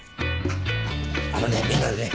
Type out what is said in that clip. あのねみんなでね